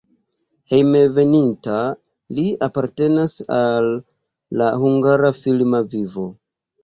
Hejmenveninta li apartenas al la hungara filma vivo.